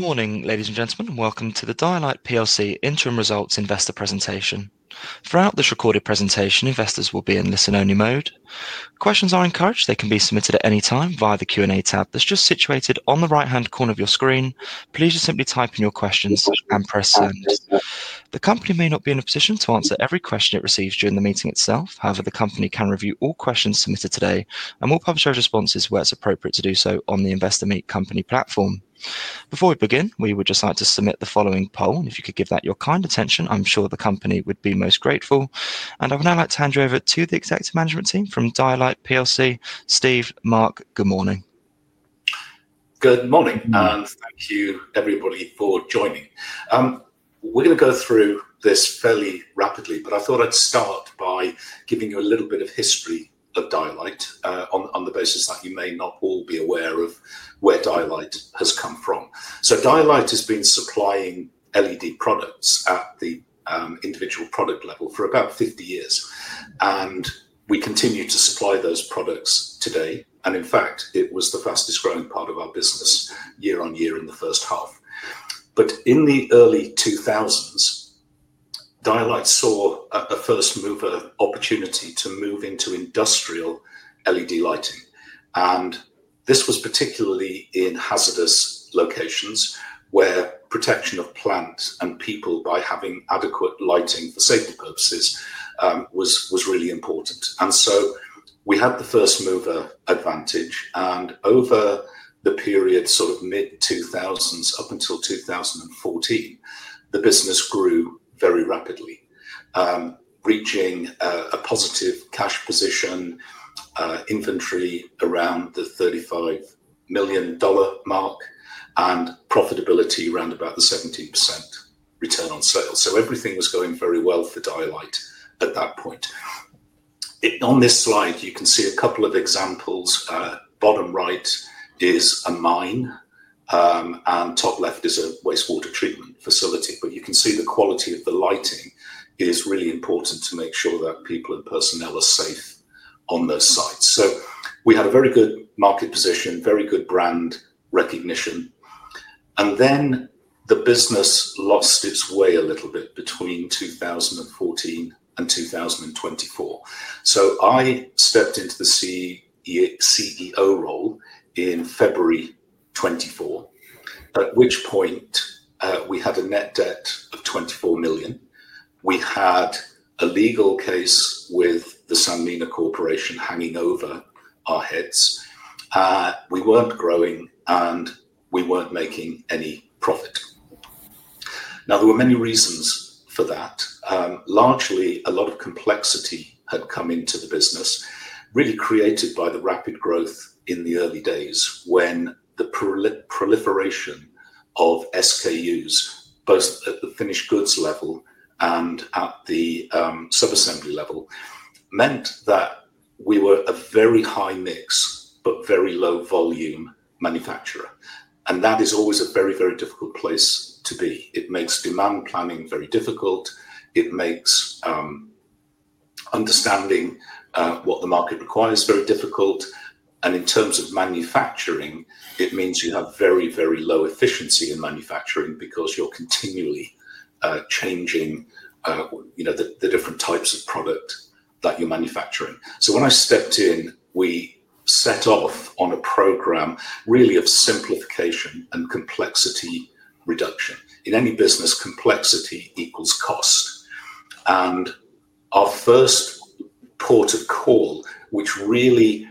Good morning, ladies and gentlemen. Welcome to the Dialight PLC Interim Results Investor Presentation. Throughout this recorded presentation, investors will be in listen-only mode. Questions are encouraged; they can be submitted at any time via the Q&A tab that is just situated on the right-hand corner of your screen. Please just simply type in your questions and press send. The company may not be in a position to answer every question it receives during the meeting itself. However, the company can review all questions submitted today and will publish those responses where it is appropriate to do so on the Investor Meet Company platform. Before we begin, we would just like to submit the following poll. If you could give that your kind attention, I am sure the company would be most grateful. I would now like to hand you over to the Executive Management Team from Dialight, Steve and Mark. Good morning. Good morning, and thank you, everybody, for joining. We're going to go through this fairly rapidly, but I thought I'd start by giving you a little bit of history of Dialight on the basis that you may not all be aware of where Dialight has come from. So Dialight has been supplying LED products at the individual product level for about 50 years, and we continue to supply those products today. In fact, it was the fastest growing part of our business year-on-year in the first half. In the early 2000s, Dialight saw a first mover opportunity to move into industrial LED lighting. This was particularly in hazardous locations where protection of plants and people by having adequate lighting for safety purposes was really important. We had the first mover advantage. Over the period sort of mid-2000s up until 2014, the business grew very rapidly, reaching a positive cash position, inventory around the $35 million mark, and profitability around about the 17% return on sales. Everything was going very well for Dialight at that point. On this slide, you can see a couple of examples. Bottom right is a mine, and top left is a wastewater treatment facility. You can see the quality of the lighting is really important to make sure that people and personnel are safe on those sites. We had a very good market position, very good brand recognition. The business lost its way a little bit between 2014 and 2024. I stepped into the CEO role in February 2024, at which point we had a net debt of $24 million. We had a legal case with the Sanmina Corporation hanging over our heads. We were not growing, and we were not making any profit. Now, there were many reasons for that. Largely, a lot of complexity had come into the business, really created by the rapid growth in the early days when the proliferation of SKUs, both at the finished goods level and at the subassembly level, meant that we were a very high mix but very low volume manufacturer. That is always a very, very difficult place to be. It makes demand planning very difficult. It makes understanding what the market requires very difficult. In terms of manufacturing, it means you have very, very low efficiency in manufacturing because you are continually changing the different types of product that you are manufacturing. When I stepped in, we set off on a program really of simplification and complexity reduction. In any business, complexity equals cost. Our first port of call, which really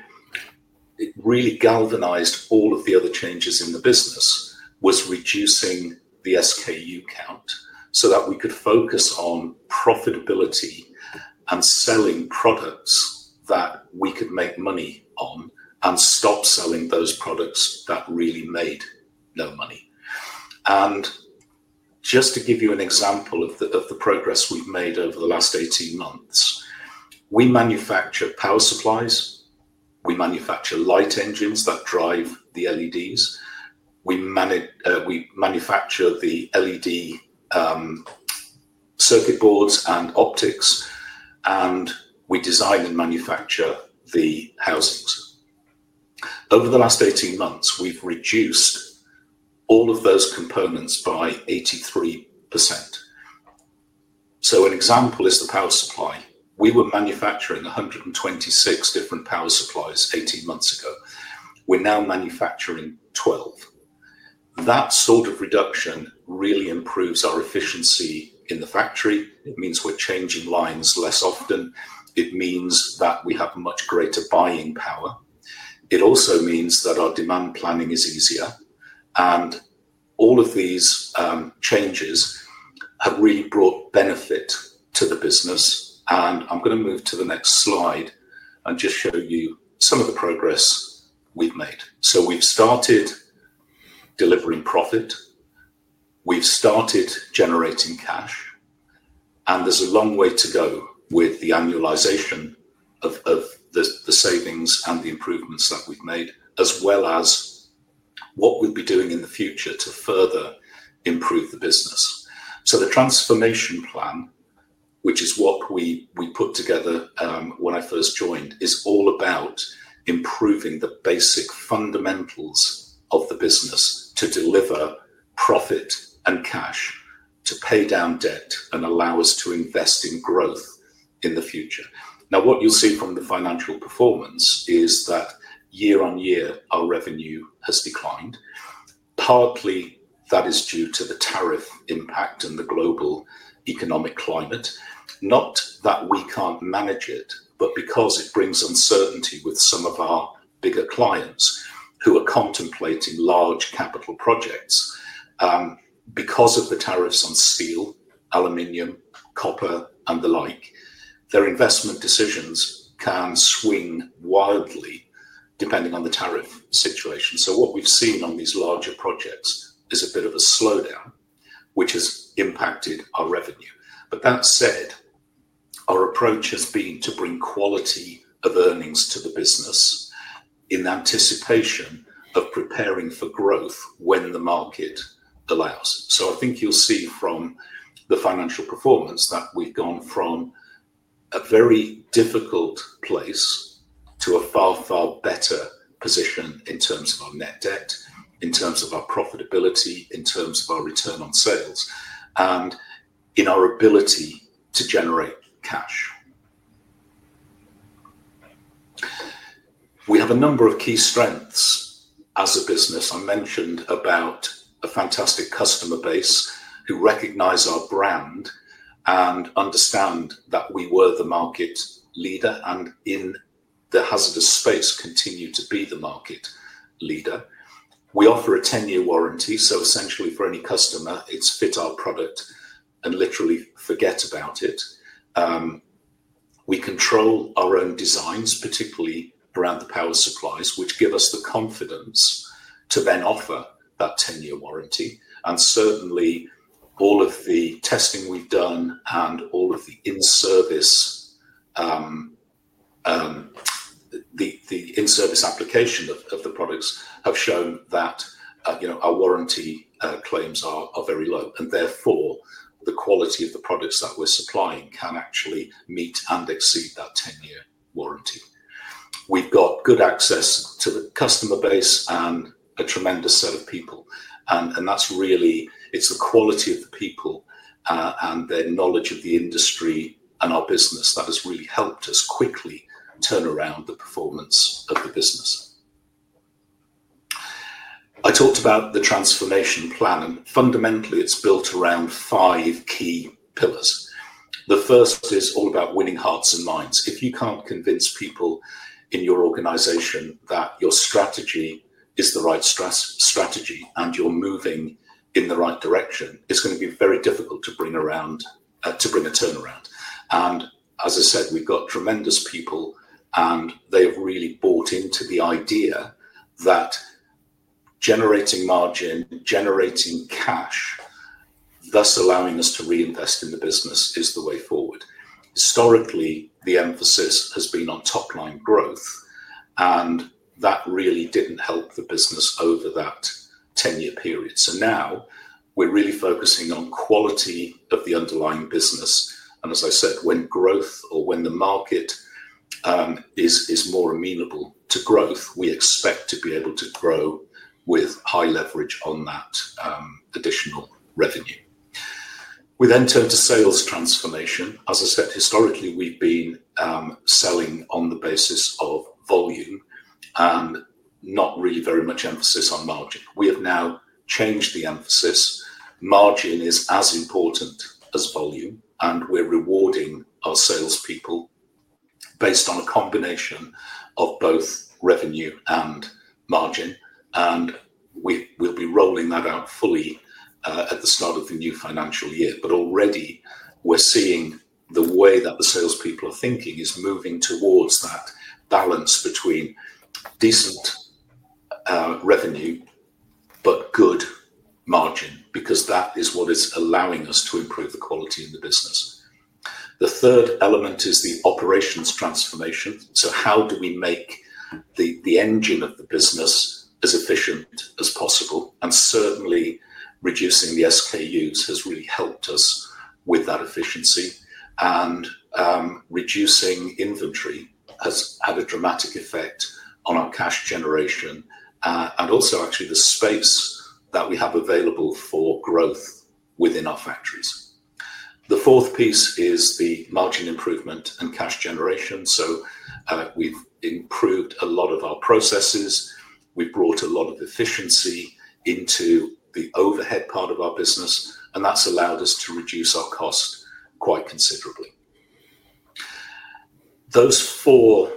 re-galvanized all of the other changes in the business, was reducing the SKU count so that we could focus on profitability and selling products that we could make money on and stop selling those products that really made no money. Just to give you an example of the progress we've made over the last 18 months, we manufacture power supplies. We manufacture light engines that drive the LEDs. We manufacture the LED circuit boards and optics, and we design and manufacture the housings. Over the last 18 months, we've reduced all of those components by 83%. An example is the power supply. We were manufacturing 126 different power supplies 18 months ago. We're now manufacturing 12. That sort of reduction really improves our efficiency in the factory. It means we're changing lines less often. It means that we have much greater buying power. It also means that our demand planning is easier. All of these changes have really brought benefit to the business. I am going to move to the next slide and just show you some of the progress we have made. We have started delivering profit. We have started generating cash. There is a long way to go with the annualization of the savings and the improvements that we have made, as well as what we will be doing in the future to further improve the business. The transformation plan, which is what we put together when I first joined, is all about improving the basic fundamentals of the business to deliver profit and cash to pay down debt and allow us to invest in growth in the future. Now, what you'll see from the financial performance is that year-on-year, our revenue has declined. Partly, that is due to the tariff impact and the global economic climate. Not that we can't manage it, but because it brings uncertainty with some of our bigger clients who are contemplating large capital projects. Because of the tariffs on steel, aluminium, copper, and the like, their investment decisions can swing wildly depending on the tariff situation. What we've seen on these larger projects is a bit of a slowdown, which has impacted our revenue. That said, our approach has been to bring quality of earnings to the business in anticipation of preparing for growth when the market allows. I think you'll see from the financial performance that we've gone from a very difficult place to a far, far better position in terms of our net debt, in terms of our profitability, in terms of our return on sales, and in our ability to generate cash. We have a number of key strengths as a business. I mentioned about a fantastic customer base who recognize our brand and understand that we were the market leader and in the hazardous space continue to be the market leader. We offer a 10-year warranty. Essentially, for any customer, it's fit our product and literally forget about it. We control our own designs, particularly around the power supplies, which give us the confidence to then offer that 10-year warranty. Certainly, all of the testing we've done and all of the in-service, the in-service application of the products have shown that our warranty claims are very low. Therefore, the quality of the products that we're supplying can actually meet and exceed that 10-year warranty. We've got good access to the customer base and a tremendous set of people. That's really the quality of the people and their knowledge of the industry and our business that has really helped us quickly turn around the performance of the business. I talked about the transformation plan, and fundamentally, it's built around five key pillars. The first is all about winning hearts and minds. If you can't convince people in your organization that your strategy is the right strategy and you're moving in the right direction, it's going to be very difficult to bring a turnaround. As I said, we've got tremendous people, and they have really bought into the idea that generating margin, generating cash, thus allowing us to reinvest in the business is the way forward. Historically, the emphasis has been on top-line growth, and that really didn't help the business over that 10-year period. Now we're really focusing on quality of the underlying business. As I said, when growth or when the market is more amenable to growth, we expect to be able to grow with high leverage on that additional revenue. We then turn to sales transformation. As I said, historically, we've been selling on the basis of volume and not really very much emphasis on margin. We have now changed the emphasis. Margin is as important as volume, and we're rewarding our salespeople based on a combination of both revenue and margin. We will be rolling that out fully at the start of the new financial year. Already, we are seeing the way that the salespeople are thinking is moving towards that balance between decent revenue but good margin because that is what is allowing us to improve the quality in the business. The third element is the operations transformation. How do we make the engine of the business as efficient as possible? Certainly, reducing the SKUs has really helped us with that efficiency. Reducing inventory has had a dramatic effect on our cash generation and also actually the space that we have available for growth within our factories. The fourth piece is the margin improvement and cash generation. We have improved a lot of our processes. We've brought a lot of efficiency into the overhead part of our business, and that's allowed us to reduce our cost quite considerably. Those four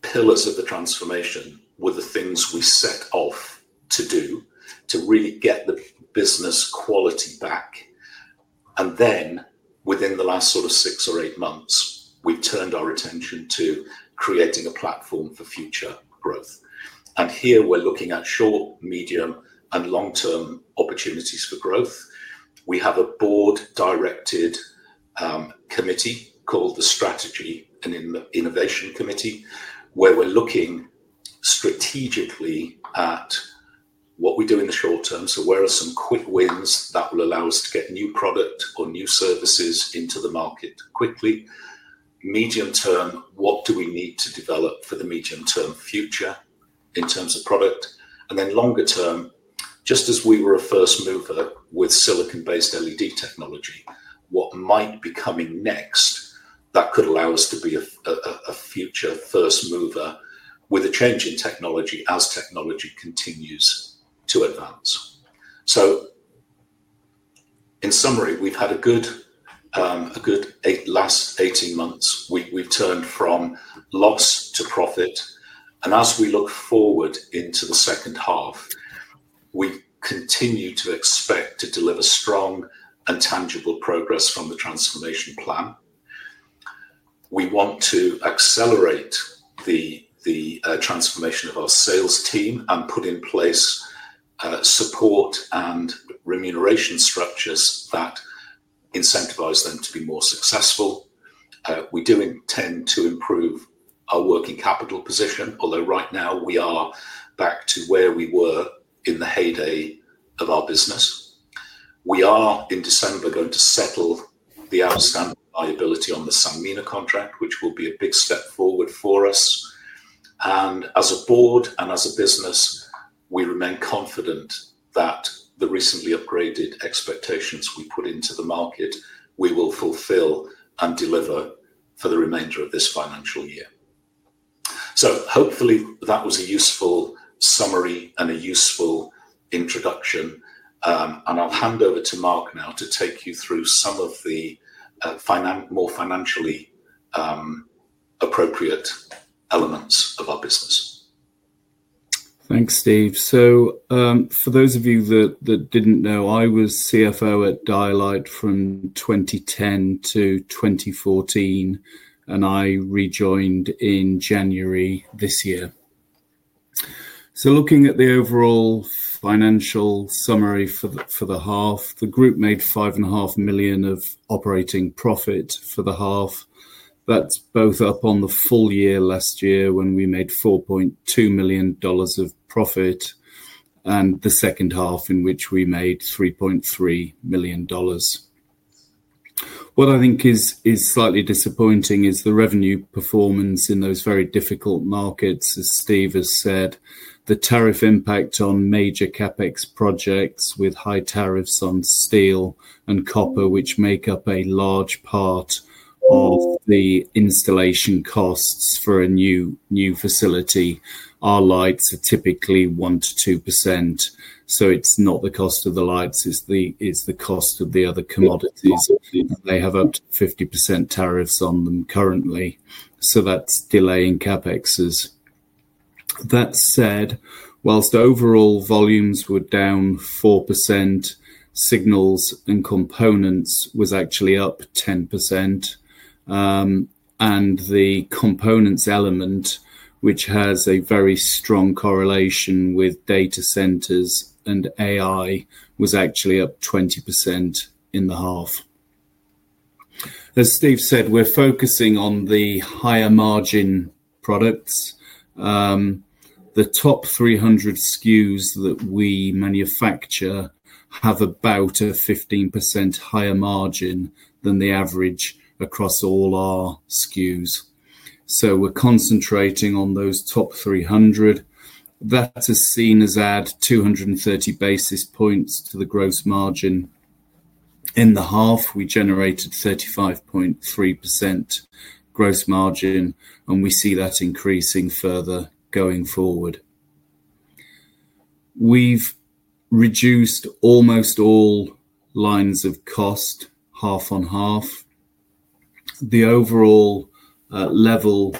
pillars of the transformation were the things we set off to do to really get the business quality back. Within the last sort of six or eight months, we turned our attention to creating a platform for future growth. Here we're looking at short, medium, and long-term opportunities for growth. We have a board-directed committee called the Strategy and Innovation Committee where we're looking strategically at what we do in the short term. Where are some quick wins that will allow us to get new product or new services into the market quickly? Medium term, what do we need to develop for the medium-term future in terms of product? Longer term, just as we were a first mover with silicon-based LED technology, what might be coming next that could allow us to be a future first mover with a change in technology as technology continues to advance? In summary, we've had a good last 18 months. We've turned from loss to profit. As we look forward into the second half, we continue to expect to deliver strong and tangible progress from the transformation plan. We want to accelerate the transformation of our sales team and put in place support and remuneration structures that incentivize them to be more successful. We do intend to improve our working capital position, although right now we are back to where we were in the heyday of our business. We are in December going to settle the outstanding liability on the Sanmina contract, which will be a big step forward for us. As a board and as a business, we remain confident that the recently upgraded expectations we put into the market, we will fulfill and deliver for the remainder of this financial year. Hopefully, that was a useful summary and a useful introduction. I'll hand over to Mark now to take you through some of the more financially appropriate elements of our business. Thanks, Steve. For those of you that did not know, I was CFO at Dialight from 2010-2014, and I rejoined in January this year. Looking at the overall financial summary for the half, the group made $5.5 million of operating profit for the half. That's both up on the full year last year when we made $4.2 million of profit and the second half in which we made $3.3 million. What I think is slightly disappointing is the revenue performance in those very difficult markets, as Steve has said, the tariff impact on major CapEx projects with high tariffs on steel and copper, which make up a large part of the installation costs for a new facility. Our lights are typically 1%-2%. It is not the cost of the lights. It is the cost of the other commodities. They have up to 50% tariffs on them currently. That is delaying CapExes. That said, whilst overall volumes were down 4%, Signals & Components was actually up 10%. The components element, which has a very strong correlation with data centers and AI, was actually up 20% in the half. As Steve said, we're focusing on the higher margin products. The top 300 SKUs that we manufacture have about a 15% higher margin than the average across all our SKUs. We're concentrating on those top 300. That has seen us add 230 basis points to the gross margin. In the half, we generated 35.3% gross margin, and we see that increasing further going forward. We've reduced almost all lines of cost half-on-half. The overall level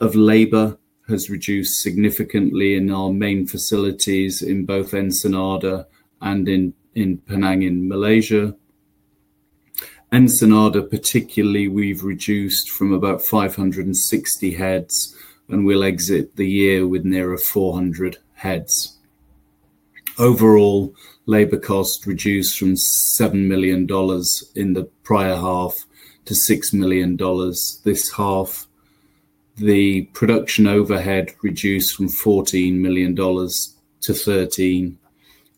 of labor has reduced significantly in our main facilities in both Ensenada and in Penang in Malaysia. Ensenada, particularly, we've reduced from about 560 heads, and we'll exit the year with nearer 400 heads. Overall labor cost reduced from $7 million in the prior half to $6 million. This half, the production overhead reduced from $14 million-$13 million,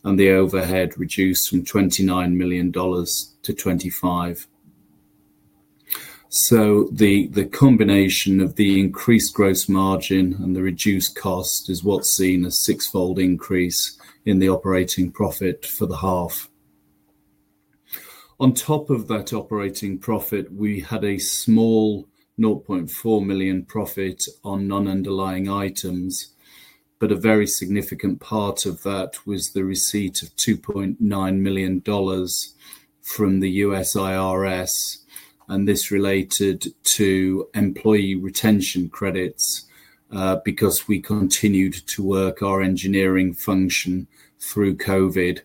and the overhead reduced from $29 million-$25 million. The combination of the increased gross margin and the reduced cost is what's seen a six-fold increase in the operating profit for the half. On top of that operating profit, we had a small $0.4 million profit on non-underlying items, but a very significant part of that was the receipt of $2.9 million from the U.S. IRS. This related to employee retention credits because we continued to work our engineering function through COVID,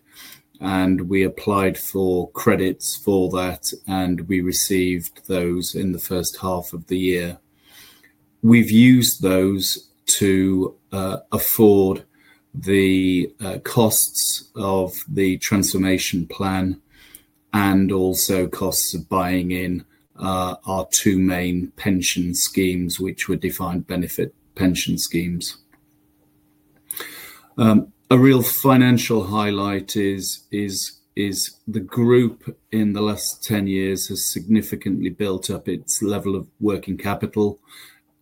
and we applied for credits for that, and we received those in the first half of the year. We've used those to afford the costs of the transformation plan and also costs of buying in our two main pension schemes, which were defined benefit pension schemes. A real financial highlight is the group in the last 10 years has significantly built up its level of working capital.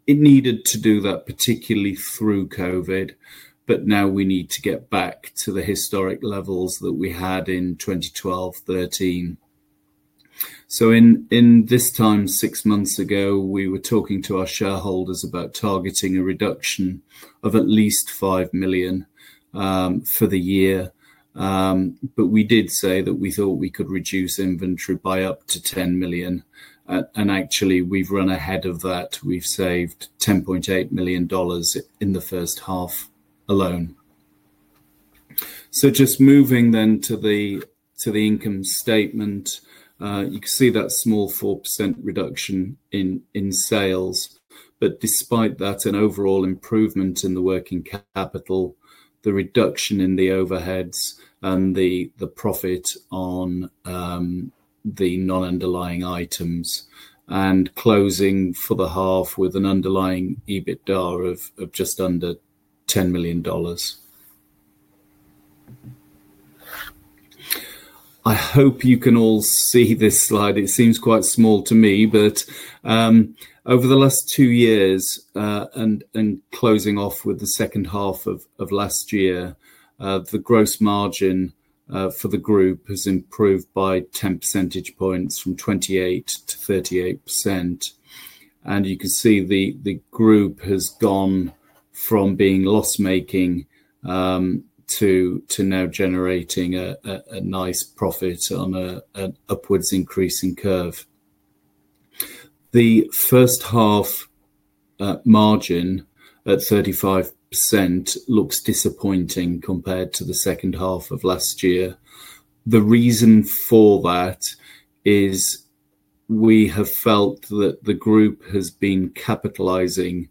It needed to do that, particularly through COVID, but now we need to get back to the historic levels that we had in 2012, 2013. In this time, six months ago, we were talking to our shareholders about targeting a reduction of at least $5 million for the year. We did say that we thought we could reduce inventory by up to $10 million. Actually, we've run ahead of that. We've saved $10.8 million in the first half alone. Just moving then to the income statement, you can see that small 4% reduction in sales. Despite that, an overall improvement in the working capital, the reduction in the overheads, and the profit on the non-underlying items, and closing for the half with an underlying EBITDA of just under $10 million. I hope you can all see this slide. It seems quite small to me, but over the last two years, and closing off with the second half of last year, the gross margin for the group has improved by 10 percentage points from 28%-38%. You can see the group has gone from being loss-making to now generating a nice profit on an upwards increasing curve. The first half margin at 35% looks disappointing compared to the second half of last year. The reason for that is we have felt that the group has been capitalizing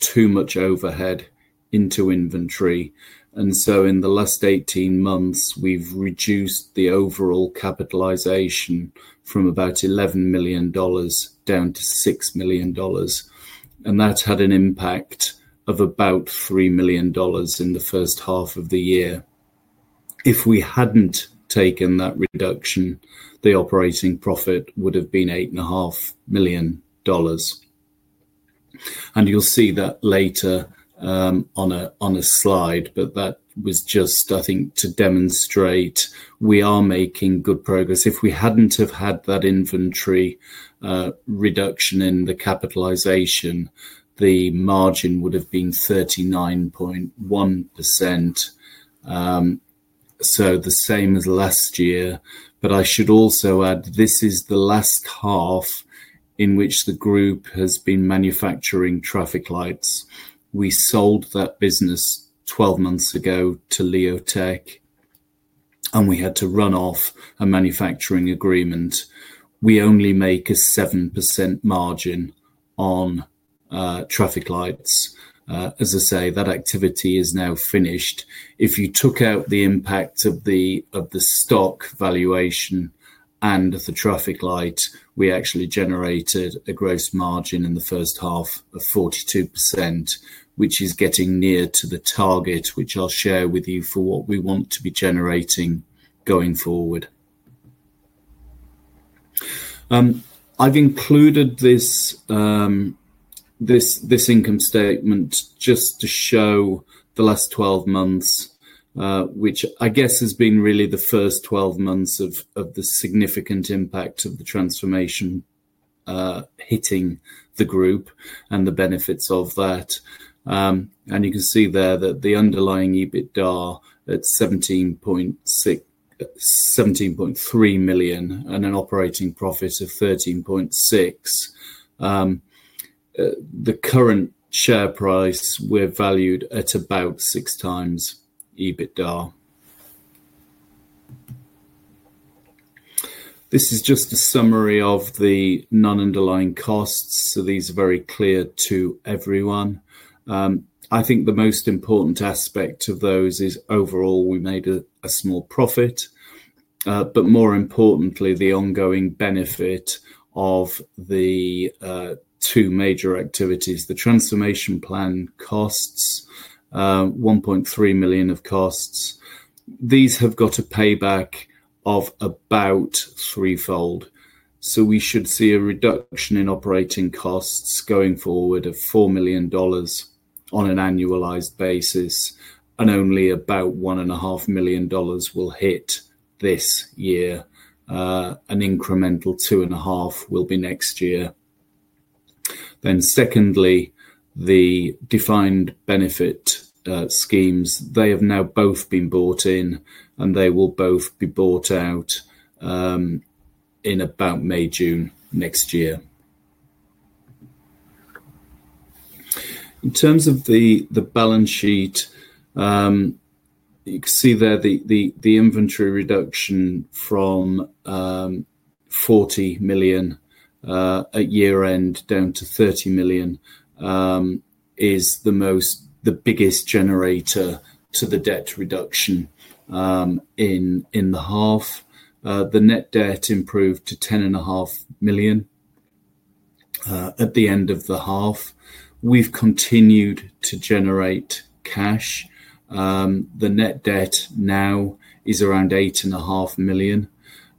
too much overhead into inventory. In the last 18 months, we have reduced the overall capitalization from about $11 million down-$6 million. That had an impact of about $3 million in the first half of the year. If we had not taken that reduction, the operating profit would have been $8.5 million. You'll see that later on a slide, but that was just, I think, to demonstrate we are making good progress. If we hadn't have had that inventory reduction in the capitalization, the margin would have been 39.1%, so the same as last year. I should also add this is the last half in which the group has been manufacturing traffic lights. We sold that business 12 months ago to LeoTech, and we had to run off a manufacturing agreement. We only make a 7% margin on traffic lights. As I say, that activity is now finished. If you took out the impact of the stock valuation and the traffic light, we actually generated a gross margin in the first half of 42%, which is getting near to the target, which I'll share with you for what we want to be generating going forward. I've included this income statement just to show the last 12 months, which I guess has been really the first 12 months of the significant impact of the transformation hitting the group and the benefits of that. You can see there that the underlying EBITDA at $17.3 million and an operating profit of $13.6 million. The current share price, we're valued at about 6x EBITDA. This is just a summary of the non-underlying costs. These are very clear to everyone. I think the most important aspect of those is overall we made a small profit, but more importantly, the ongoing benefit of the two major activities. The transformation plan costs $1.3 million of costs. These have got a payback of about threefold. We should see a reduction in operating costs going forward of $4 million on an annualized basis, and only about $1.5 million will hit this year. An incremental $2.5 million will be next year. Secondly, the defined benefit schemes, they have now both been bought in, and they will both be bought out in about May, June next year. In terms of the balance sheet, you can see there the inventory reduction from $40 million at year-end down to $30 million is the biggest generator to the debt reduction in the half. The net debt improved to $10.5 million at the end of the half. We've continued to generate cash. The net debt now is around $8.5 million.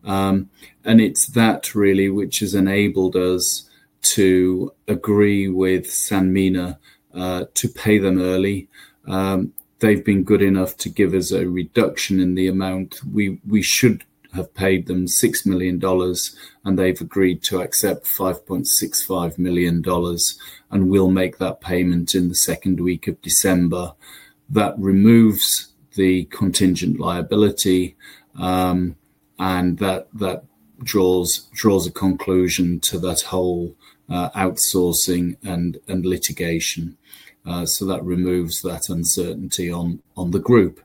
It is that really which has enabled us to agree with Sanmina Corporation to pay them early. They've been good enough to give us a reduction in the amount. We should have paid them $6 million, and they've agreed to accept $5.65 million, and we'll make that payment in the second week of December. That removes the contingent liability, and that draws a conclusion to that whole outsourcing and litigation. That removes that uncertainty on the group.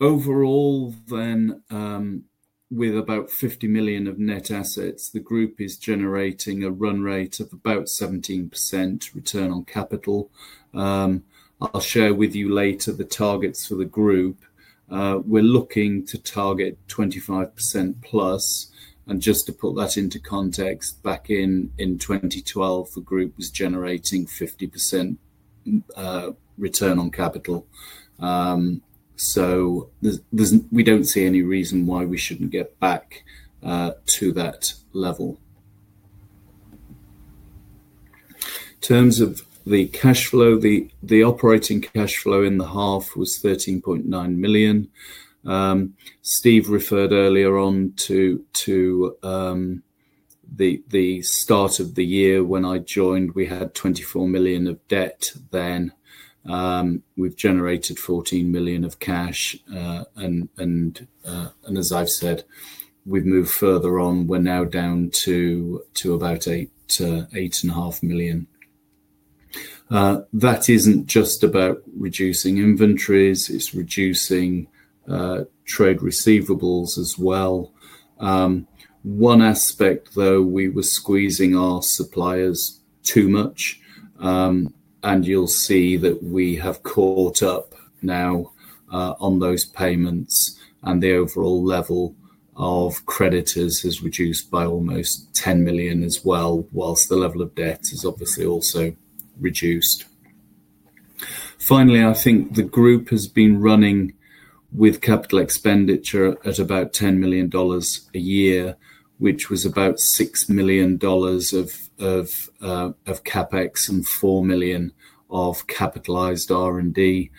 Overall, then, with about $50 million of net assets, the group is generating a run rate of about 17% return on capital. I'll share with you later the targets for the group. We're looking to target 25%+. Just to put that into context, back in 2012, the group was generating 50% return on capital. We don't see any reason why we shouldn't get back to that level. In terms of the cash flow, the operating cash flow in the half was $13.9 million. Steve referred earlier on to the start of the year when I joined, we had $24 million of debt then. We've generated $14 million of cash. As I've said, we've moved further on. We're now down to about $8.5 million. That isn't just about reducing inventories. It's reducing trade receivables as well. One aspect, though, we were squeezing our suppliers too much. You'll see that we have caught up now on those payments, and the overall level of creditors has reduced by almost $10 million as well, whilst the level of debt has obviously also reduced. Finally, I think the group has been running with capital expenditure at about $10 million a year, which was about $6 million of CapEx and $4 million of capitalized R&D.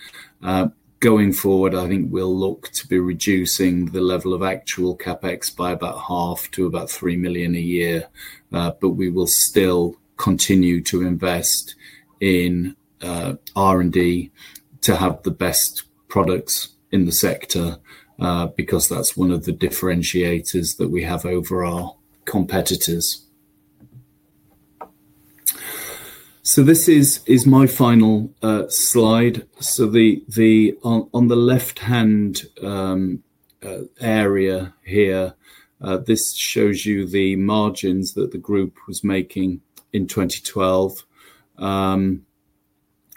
Going forward, I think we'll look to be reducing the level of actual CapEx by about half to about $3 million a year. We will still continue to invest in R&D to have the best products in the sector because that's one of the differentiators that we have over our competitors. This is my final slide. On the left-hand area here, this shows you the margins that the group was making in 2012. On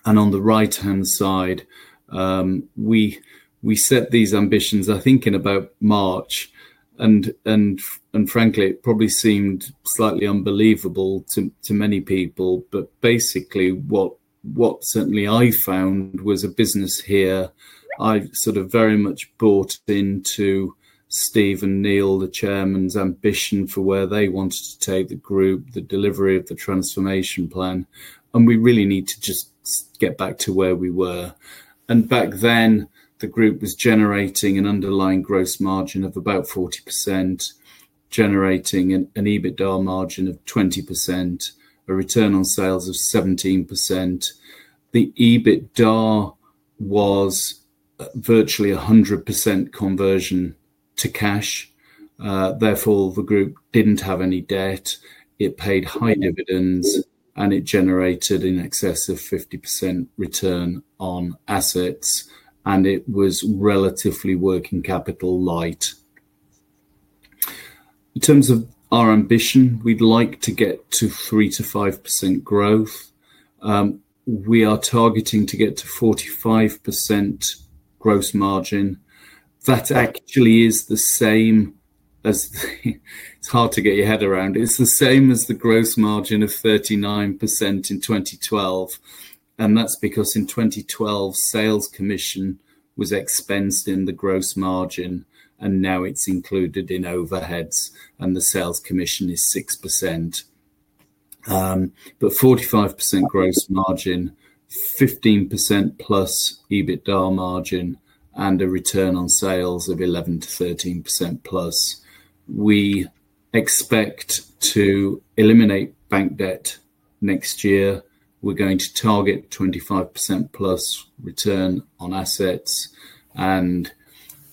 the right-hand side, we set these ambitions, I think, in about March. Frankly, it probably seemed slightly unbelievable to many people, but basically, what certainly I found was a business here I've sort of very much bought into Steve and Neil, the Chairman's ambition for where they wanted to take the group, the delivery of the transformation plan. We really need to just get back to where we were. Back then, the group was generating an underlying gross margin of about 40%, generating an EBITDA margin of 20%, a return on sales of 17%. The EBITDA was virtually 100% conversion to cash. Therefore, the group did not have any debt. It paid high dividends, and it generated in excess of 50% return on assets. It was relatively working capital light. In terms of our ambition, we would like to get to 3%-5% growth. We are targeting to get to 45% gross margin. That actually is the same as the, it is hard to get your head around, it is the same as the gross margin of 39% in 2012. That is because in 2012, sales commission was expensed in the gross margin, and now it is included in overheads, and the sales commission is 6%. 4%-5% gross margin, 15%+ EBITDA margin, and a return on sales of 11%-13% plus. We expect to eliminate bank debt next year. We're going to target 25%+ return on assets.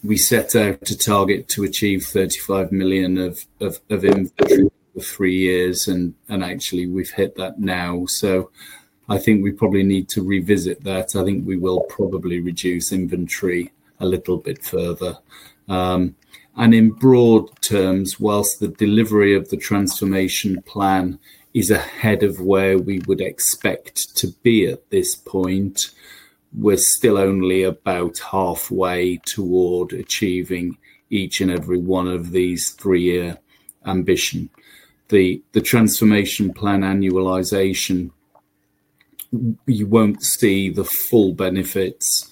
We set out a target to achieve $35 million of inventory over three years. Actually, we've hit that now. I think we probably need to revisit that. I think we will probably reduce inventory a little bit further. In broad terms, whilst the delivery of the transformation plan is ahead of where we would expect to be at this point, we're still only about halfway toward achieving each and every one of these three-year ambitions. The transformation plan annualization, you won't see the full benefits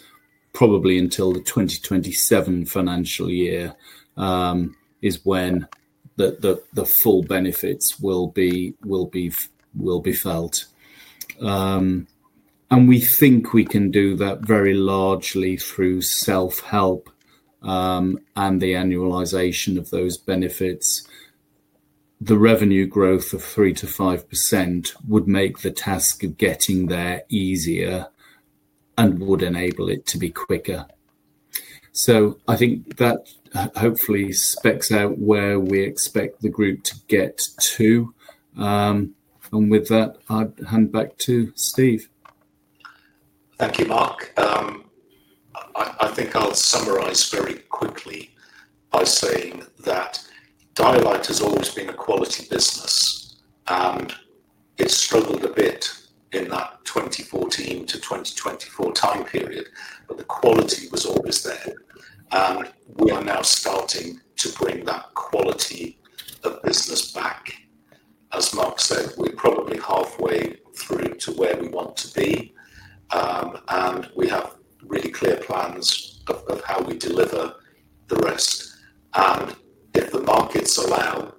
probably until the 2027 financial year is when the full benefits will be felt. We think we can do that very largely through self-help and the annualization of those benefits. The revenue growth of 3%-5% would make the task of getting there easier and would enable it to be quicker. I think that hopefully specs out where we expect the group to get to. With that, I'll hand back to Steve. Thank you, Mark. I think I'll summarize very quickly by saying that Dialight has always been a quality business, and it struggled a bit in that 2014-2024 time period, but the quality was always there. We are now starting to bring that quality of business back. As Mark said, we're probably halfway through to where we want to be, and we have really clear plans of how we deliver the rest. If the markets allow,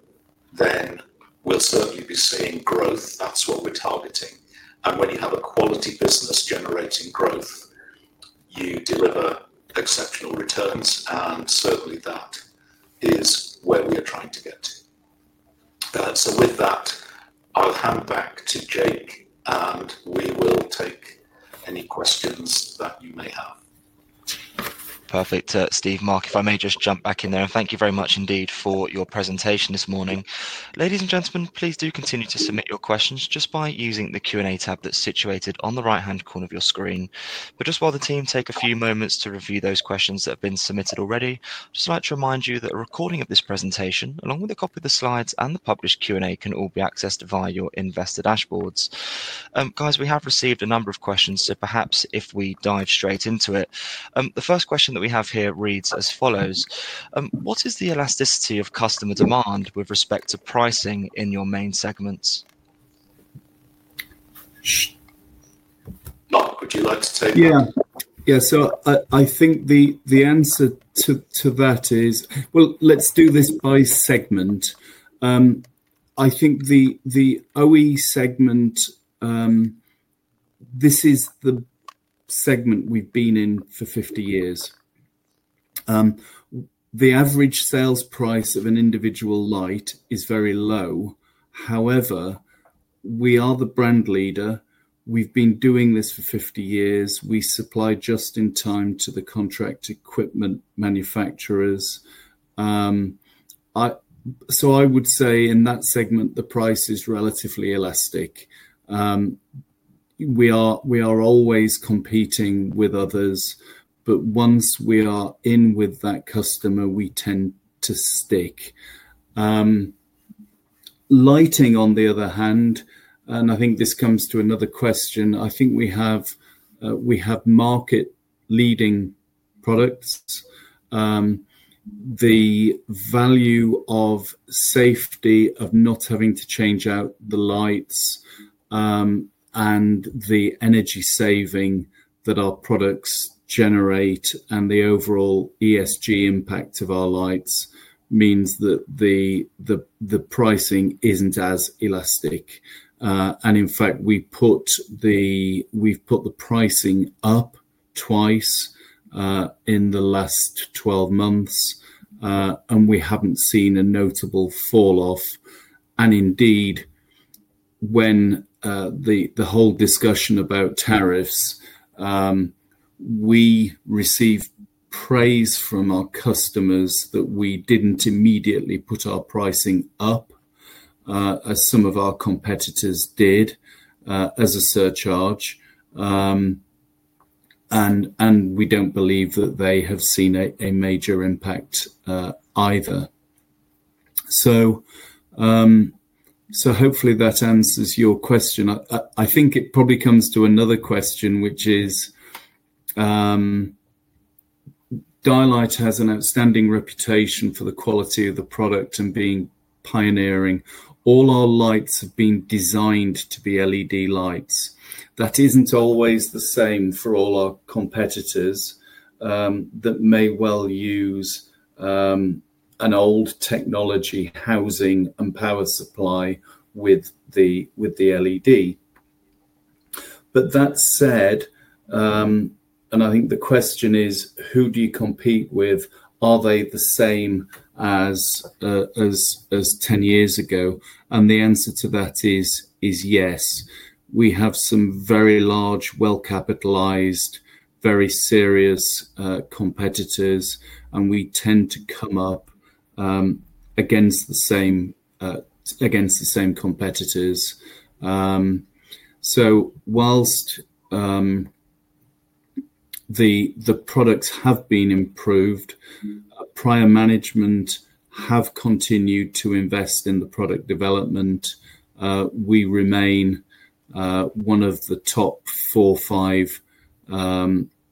then we'll certainly be seeing growth. That's what we're targeting. And when you have a quality business generating growth, you deliver exceptional returns. And certainly, that is where we are trying to get to. With that, I'll hand back to Jake, and we will take any questions that you may have. Perfect. Steve, Mark, if I may just jump back in there, and thank you very much indeed for your presentation this morning. Ladies and gentlemen, please do continue to submit your questions just by using the Q&A tab that's situated on the right-hand corner of your screen. Just while the team take a few moments to review those questions that have been submitted already, I'd just like to remind you that a recording of this presentation, along with a copy of the slides and the published Q&A, can all be accessed via your investor dashboards. Guys, we have received a number of questions, so perhaps if we dive straight into it, the first question that we have here reads as follows: What is the elasticity of customer demand with respect to pricing in your main segments? Mark, would you like to take that? Yeah. I think the answer to that is, let's do this by segment. I think the OE segment, this is the segment we have been in for 50 years. The average sales price of an individual light is very low. However, we are the brand leader. We have been doing this for 50 years. We supply just in time to the contract equipment manufacturers. I would say in that segment, the price is relatively elastic. We are always competing with others, but once we are in with that customer, we tend to stick. Lighting, on the other hand, and I think this comes to another question, I think we have market-leading products. The value of safety of not having to change out the lights and the energy saving that our products generate and the overall ESG impact of our lights means that the pricing is not as elastic. In fact, we have put the pricing up twice in the last 12 months, and we have not seen a notable falloff. Indeed, when the whole discussion about tariffs came up, we received praise from our customers that we did not immediately put our pricing up, as some of our competitors did, as a surcharge. We do not believe that they have seen a major impact either. Hopefully, that answers your question. I think it probably comes to another question, which is Dialight has an outstanding reputation for the quality of the product and being pioneering. All our lights have been designed to be LED lights. That is not always the same for all our competitors that may well use an old technology housing and power supply with the LED. That said, I think the question is, who do you compete with? Are they the same as 10 years ago? The answer to that is yes. We have some very large, well-capitalized, very serious competitors, and we tend to come up against the same competitors. Whilst the products have been improved, prior management have continued to invest in the product development. We remain one of the top four, five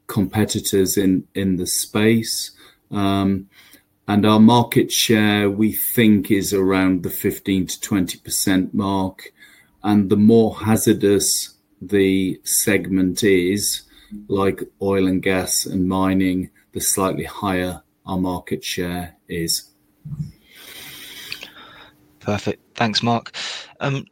competitors in the space. Our market share, we think, is around the 15%-20% mark. The more hazardous the segment is, like oil and gas and mining, the slightly higher our market share is. Perfect. Thanks, Mark.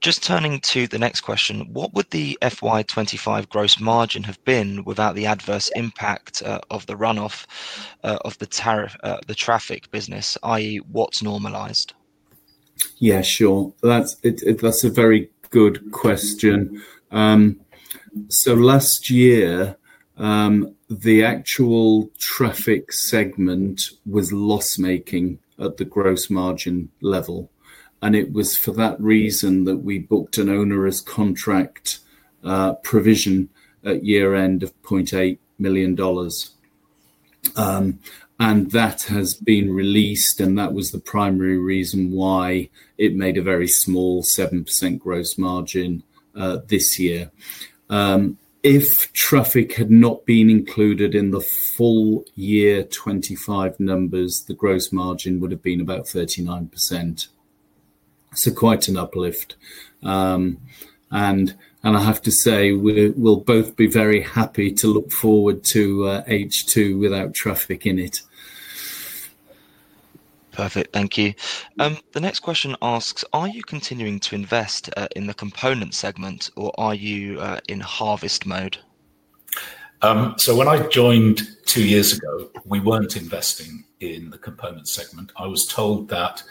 Just turning to the next question, what would the FY 2025 gross margin have been without the adverse impact of the runoff of the traffic business, i.e., what's normalized? Yeah, sure. That's a very good question. Last year, the actual traffic segment was loss-making at the gross margin level. It was for that reason that we booked an onerous contract provision at year-end of $0.8 million. That has been released, and that was the primary reason why it made a very small 7% gross margin this year. If traffic had not been included in the full year 2025 numbers, the gross margin would have been about 39%. Quite an uplift. I have to say, we'll both be very happy to look forward to H2 without traffic in it. Perfect. Thank you. The next question asks, are you continuing to invest in the component segment, or are you in harvest mode? When I joined two years ago, we were not investing in the component segment. I was told that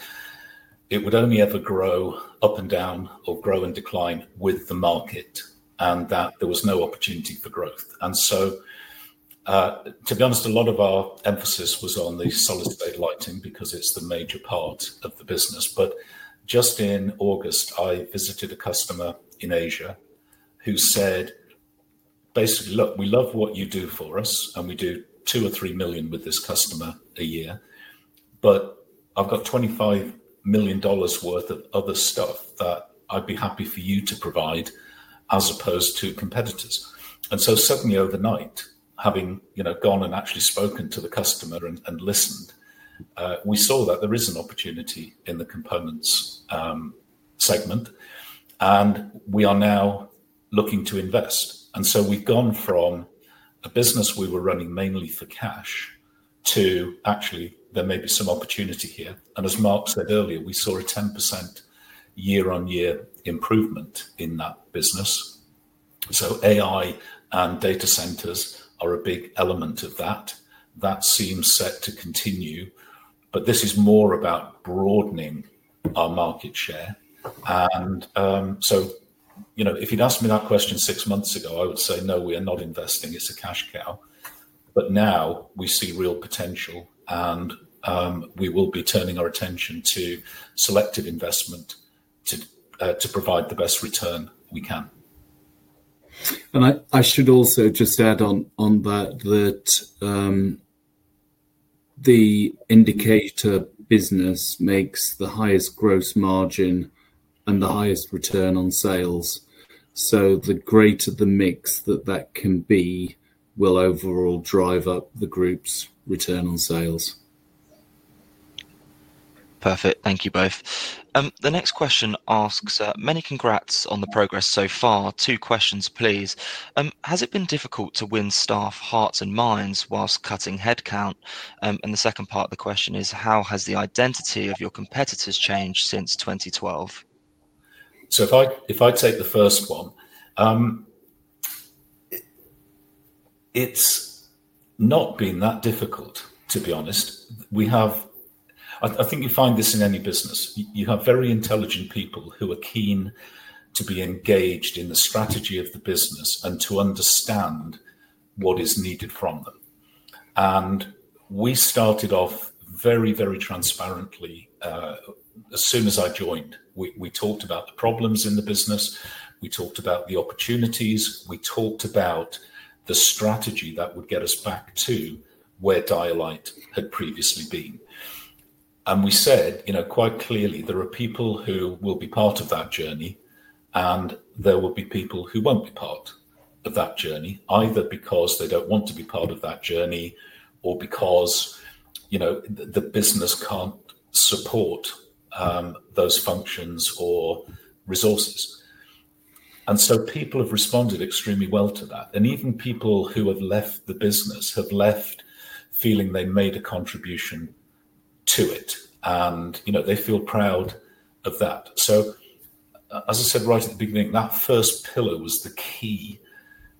it would only ever grow up and down or grow and decline with the market and that there was no opportunity for growth. To be honest, a lot of our emphasis was on the solid-state lighting because it is the major part of the business. Just in August, I visited a customer in Asia who said, basically, "Look, we love what you do for us, and we do $2 million or $3 million with this customer a year, but I've got $25 million worth of other stuff that I'd be happy for you to provide as opposed to competitors." Suddenly, overnight, having gone and actually spoken to the customer and listened, we saw that there is an opportunity in the components segment, and we are now looking to invest. We have gone from a business we were running mainly for cash to actually, there may be some opportunity here. As Mark said earlier, we saw a 10% year-on-year improvement in that business. AI and data centers are a big element of that. That seems set to continue, but this is more about broadening our market share. If you'd asked me that question six months ago, I would say, "No, we are not investing. It's a cash cow." Now we see real potential, and we will be turning our attention to selective investment to provide the best return we can. I should also just add on that the indicator business makes the highest gross margin and the highest return on sales. The greater the mix that that can be, will overall drive up the group's return on sales. Perfect. Thank you both. The next question asks, "Many congrats on the progress so far. Two questions, please. Has it been difficult to win staff hearts and minds whilst cutting headcount?" The second part of the question is, "How has the identity of your competitors changed since 2012?" If I take the first one, it's not been that difficult, to be honest. I think you find this in any business. You have very intelligent people who are keen to be engaged in the strategy of the business and to understand what is needed from them. We started off very, very transparently. As soon as I joined, we talked about the problems in the business. We talked about the opportunities. We talked about the strategy that would get us back to where Dialight had previously been. We said quite clearly, there are people who will be part of that journey, and there will be people who will not be part of that journey, either because they do not want to be part of that journey or because the business cannot support those functions or resources. People have responded extremely well to that. Even people who have left the business have left feeling they made a contribution to it, and they feel proud of that. As I said right at the beginning, that first pillar was the key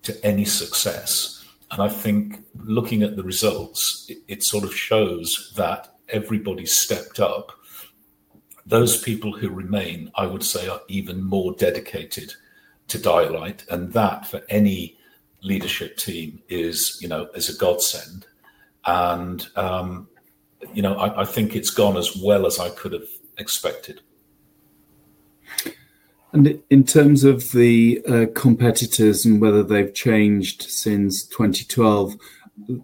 to any success. I think looking at the results, it sort of shows that everybody stepped up. Those people who remain, I would say, are even more dedicated to Dialight, and that for any leadership team is a godsend. I think it has gone as well as I could have expected. In terms of the competitors and whether they have changed since 2012,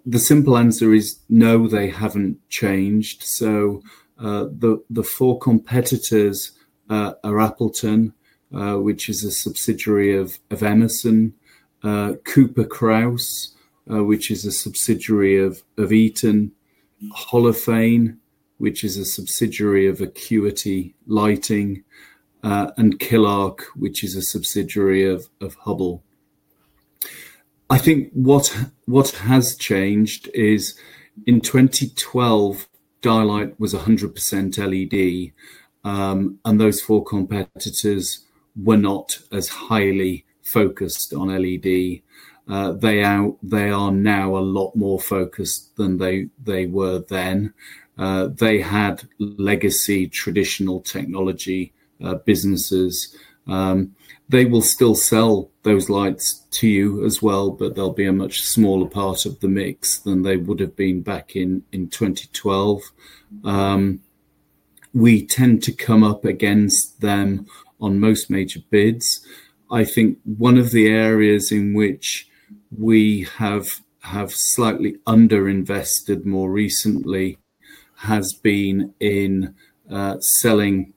the simple answer is no, they have not changed. The four competitors are Appleton, which is a subsidiary of Emerson, Cooper Crouse-Hinds, which is a subsidiary of Eaton, Holophane, which is a subsidiary of Acuity Brands, and Killark, which is a subsidiary of Hubbell. I think what has changed is in 2012, Dialight was 100% LED, and those four competitors were not as highly focused on LED. They are now a lot more focused than they were then. They had legacy traditional technology businesses. They will still sell those lights to you as well, but they'll be a much smaller part of the mix than they would have been back in 2012. We tend to come up against them on most major bids. I think one of the areas in which we have slightly underinvested more recently has been in selling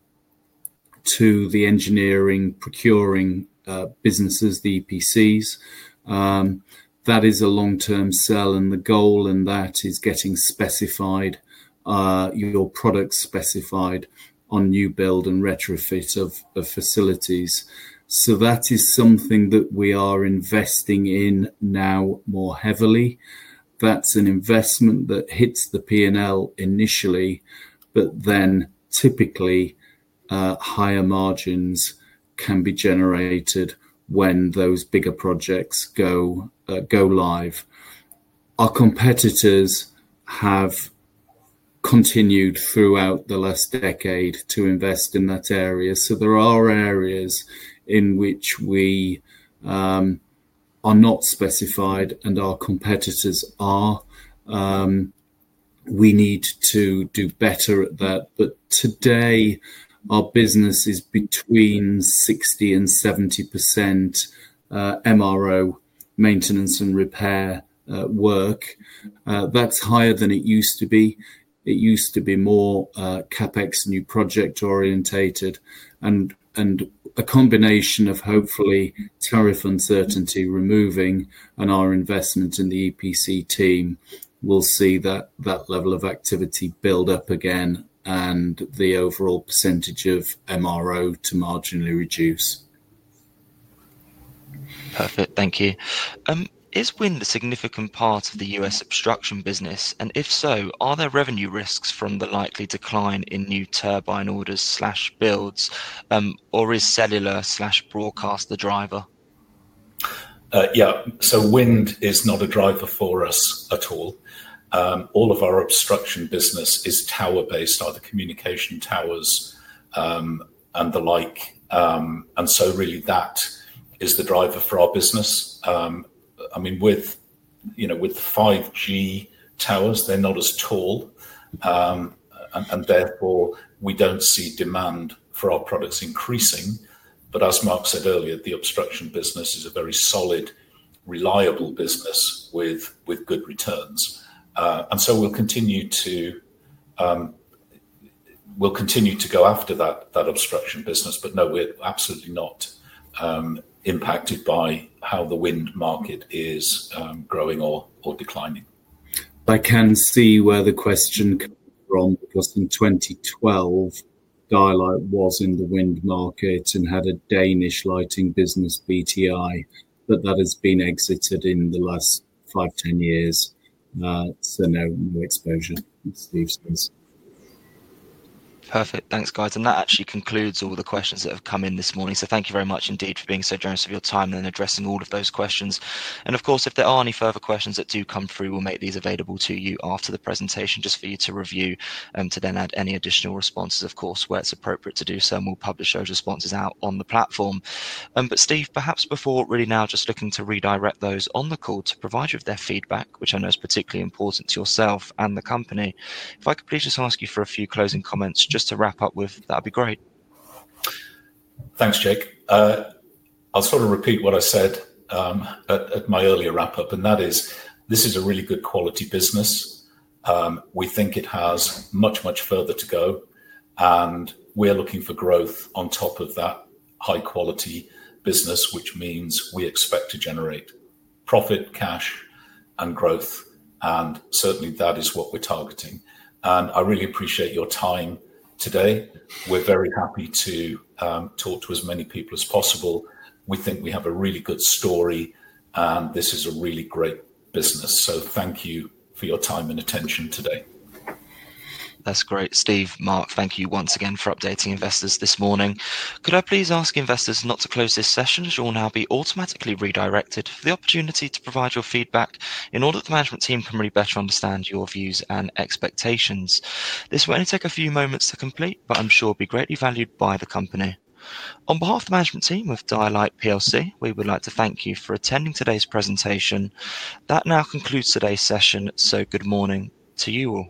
to the engineering procuring businesses, the EPCs. That is a long-term sell, and the goal in that is getting your products specified on new build and retrofit of facilities. That is something that we are investing in now more heavily. That's an investment that hits the P&L initially, but then typically higher margins can be generated when those bigger projects go live. Our competitors have continued throughout the last decade to invest in that area. There are areas in which we are not specified and our competitors are. We need to do better at that. Today, our business is between 60%-70% MRO maintenance and repair work. That's higher than it used to be. It used to be more CapEx and new project orientated. A combination of hopefully tariff uncertainty removing and our investment in the EPC team, we'll see that level of activity build up again and the overall percentage of MRO to marginally reduce. Perfect. Thank you. Is wind a significant part of the U.S. obstruction business? If so, are there revenue risks from the likely decline in new turbine orders/builds, or is cellular/broadcast the driver? Yeah. Wind is not a driver for us at all. All of our obstruction business is tower-based, either communication towers and the like. That is the driver for our business. I mean, with 5G towers, they're not as tall, and therefore, we do not see demand for our products increasing. As Mark said earlier, the obstruction business is a very solid, reliable business with good returns. We will continue to go after that obstruction business. No, we are absolutely not impacted by how the wind market is growing or declining. I can see where the question comes from because in 2012, Dialight was in the wind market and had a Danish lighting business, BTI, but that has been exited in the last 5 years-10 years. No exposure, as Steve says. Perfect. Thanks, guys. That actually concludes all the questions that have come in this morning. Thank you very much indeed for being so generous with your time and addressing all of those questions. Of course, if there are any further questions that do come through, we will make these available to you after the presentation just for you to review and to then add any additional responses, where it is appropriate to do so, and we will publish those responses out on the platform. Steve, perhaps before really now just looking to redirect those on the call to provide you with their feedback, which I know is particularly important to yourself and the company, if I could please just ask you for a few closing comments just to wrap up with, that would be great. Thanks, Jake. I'll sort of repeat what I said at my earlier wrap-up, and that is this is a really good quality business. We think it has much, much further to go, and we are looking for growth on top of that high-quality business, which means we expect to generate profit, cash, and growth. Certainly, that is what we're targeting. I really appreciate your time today. We're very happy to talk to as many people as possible. We think we have a really good story, and this is a really great business. Thank you for your time and attention today. That's great. Steve, Mark, thank you once again for updating investors this morning. Could I please ask investors not to close this session? You'll now be automatically redirected for the opportunity to provide your feedback in order for the management team to better understand your views and expectations. This will only take a few moments to complete, but I'm sure it will be greatly valued by the company. On behalf of the management team of Dialight Plc, we would like to thank you for attending today's presentation. That now concludes today's session. Good morning to you all.